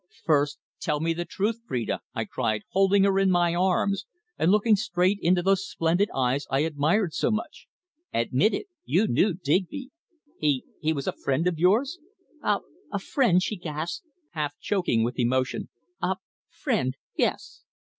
"First tell me the truth, Phrida," I cried, holding her in my arms and looking straight into those splendid eyes I admired so much. "Admit it you knew Digby. He he was a friend of yours?" "A a friend " she gasped, half choking with emotion. "A friend yes."